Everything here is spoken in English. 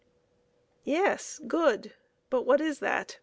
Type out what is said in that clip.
" Yes, good ; but what is that